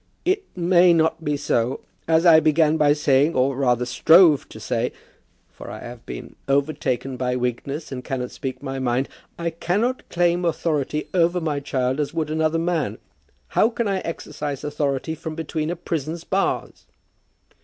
"It may not be so. As I began by saying, or rather strove to say, for I have been overtaken by weakness, and cannot speak my mind, I cannot claim authority over my child as would another man. How can I exercise authority from between a prison's bars?"